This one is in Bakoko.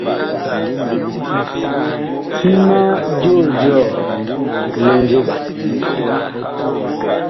Ti ma joo jɔɔ li nzoɓan.